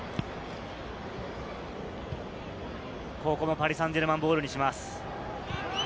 パリ・サンジェルマンボールにします。